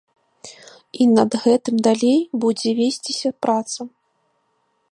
І над гэтым далей будзе весціся праца.